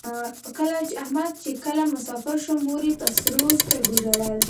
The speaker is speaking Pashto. احمد چې کله مسافر شو مور یې په سرو سترگو ژړل.